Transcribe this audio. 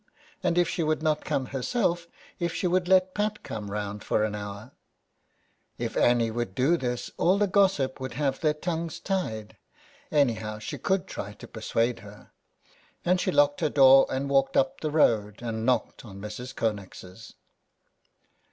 and if she would not come herself, if she would let Pat come round for an hour ? If Annie would do this all the gossips would have their tongues tied. Anyhow she could try to per suade her. And she locked her door and walked up the road and knocked at Mrs. Connex's.